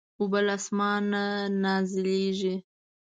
اوبه له اسمانه نازلېږي.